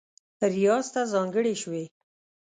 ریاض ته ځانګړې شوې